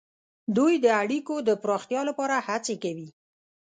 دوی د اړیکو د پراختیا لپاره هڅې کوي